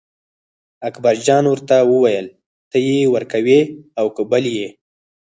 اکبرجان ورته وویل ته یې ورکوې او که بل یې.